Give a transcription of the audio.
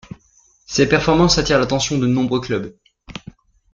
Ses performances attirent l'attention de nombreux clubs.